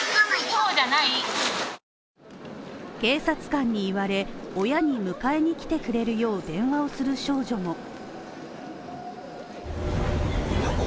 警察官に言われ、親に迎えに来てくれるよう電話をする少女も。